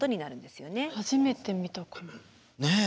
初めて見たかも。ねえ。